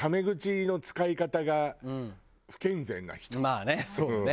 まあねそうね。